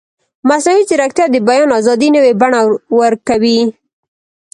مصنوعي ځیرکتیا د بیان ازادي نوې بڼه ورکوي.